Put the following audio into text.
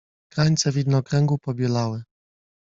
Krańce widnokręgu pobielały.